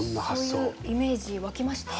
そういうイメージ湧きました？